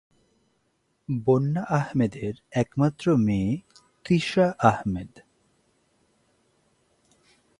বন্যা আহমেদের একমাত্র মেয়ে তৃষা আহমেদ।